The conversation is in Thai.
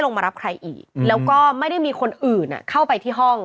มารับใครอีกแล้วก็ไม่ได้มีคนอื่นเข้าไปที่ห้อง